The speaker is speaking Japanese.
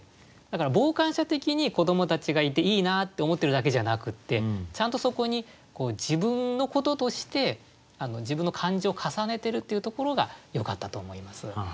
だから傍観者的に子どもたちがいていいなって思ってるだけじゃなくってちゃんとそこに自分のこととして自分の感情を重ねてるっていうところがよかったと思います。